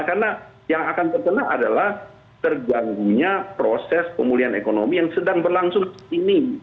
karena yang akan terkena adalah terganggu proses pemulihan ekonomi yang sedang berlangsung di sini